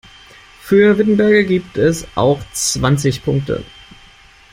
Für Wittenberge gibt es auch zwanzig Punkte.